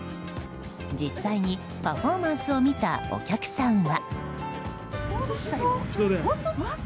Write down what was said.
実際にパフォーマンスを見たお客さんは。